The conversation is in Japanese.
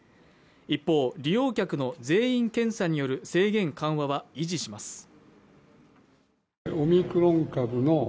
一方利用客の全員検査による制限緩和は維持します